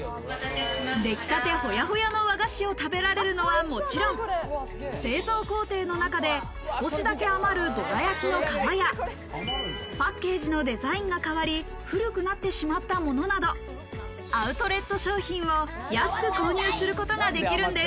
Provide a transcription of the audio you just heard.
できたてホヤホヤの和菓子を食べられるのはもちろん、製造工程の中で少しだけ余るどら焼きの皮や、パッケージのデザインが変わり、古くなってしまったものなどアウトレット商品を安く購入することができるんです。